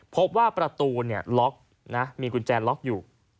พบว่าประตูล็อกมีกุญแจล็อกอยู่